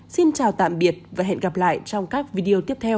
xin chào tạm biệt và hẹn gặp lại trong các video tiếp theo